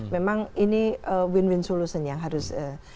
memang ini win win solution yang harus